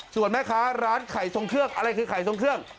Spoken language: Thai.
ส่วนแม่ค้าร้านไข่ทรงเครื่องอะไรคือไข่ทรงเครื่อง